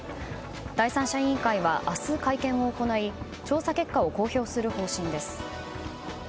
第三者委員会は明日、会見を行い調査結果を公表する方針です。